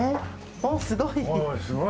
おぉすごい。